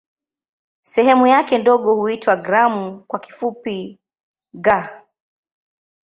Sehemu yake ndogo huitwa "gramu" kwa kifupi "g".